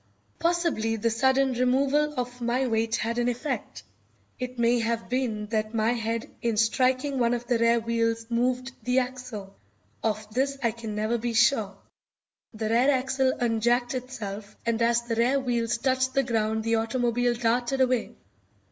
Possibly the sudden removal of my weight had an effect. It may have been that my head in striking one of the rear wheels moved the axle. Of this I can never be sure. The rear axle unjacked itself, and as the rear wheels touched the ground the automobile darted away.